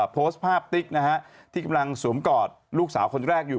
โพสต์ภาพติ๊กนะฮะที่กำลังสวมกอดลูกสาวคนแรกอยู่